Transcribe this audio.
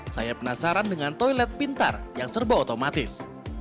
saya penasaran dengan toilet pintar yang serba otomatis